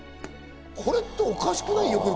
これっておかしくない？